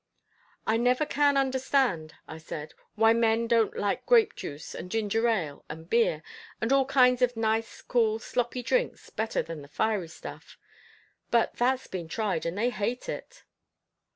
"I never can understand," I said, "why men don't like grape juice, and ginger ale, and beer, and all kinds of nice, cool, sloppy drinks better than fiery stuff, but that's been tried and they hate it."